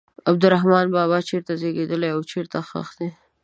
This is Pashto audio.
عبدالرحمان بابا چېرته زیږېدلی او چیرې ښخ دی.